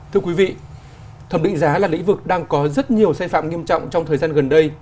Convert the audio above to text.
thưa quý vị thẩm định giá là lĩnh vực đang có rất nhiều sai phạm nghiêm trọng trong thời gian gần đây